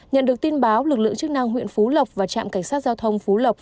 nhận được tin báo lực lượng chức năng huyện phú lộc và trạm cảnh sát giao thông phú lộc